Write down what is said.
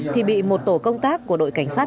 thì bị một tổ công tác của đội cảnh sát